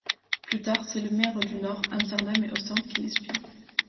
Plus tard, c’est la mer du Nord, Amsterdam et Ostende qui l’inspirent.